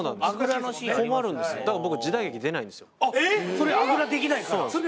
それあぐらできないから？